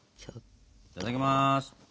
いただきます。